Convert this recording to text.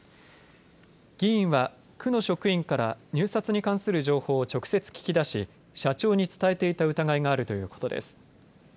議員は区の職員から入札に関する情報を直接聞き出し社長に伝えていた疑いがあるということです。